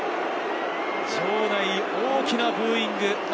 場内、大きなブーイング。